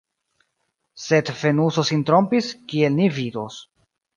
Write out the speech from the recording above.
Sed Fenuso sin trompis, kiel ni vidos.